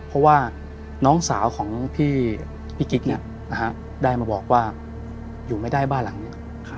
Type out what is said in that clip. เพราะว่าน้องสาวของพี่กิ๊กได้มาบอกว่าอยู่ไม่ได้บ้านหลังนี้